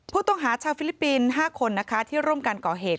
ผู้ต้องหาชาวฟิลิปปินส์๕คนนะคะที่ร่วมกันก่อเหตุ